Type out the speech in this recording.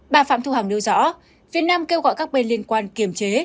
bà phạm thu hằng nêu rõ việt nam kêu gọi các bên liên quan kiềm chế